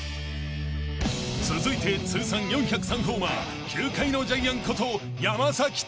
［続いて通算４０３ホーマー球界のジャイアンこと］